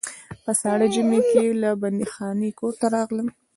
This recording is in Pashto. په ساړه ژمي کې له بندیخانې کور ته راغلم.